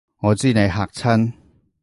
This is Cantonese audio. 我知你嚇親